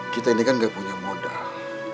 kita ini kan gak punya modal